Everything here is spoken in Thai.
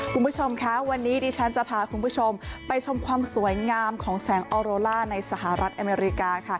คุณผู้ชมคะวันนี้ดิฉันจะพาคุณผู้ชมไปชมความสวยงามของแสงออโรล่าในสหรัฐอเมริกาค่ะ